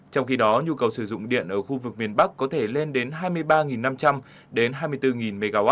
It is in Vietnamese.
trong khi đó nhu cầu sử dụng điện ở khu vực miền bắc có thể lên đến hai mươi ba năm trăm linh đến hai mươi bốn mw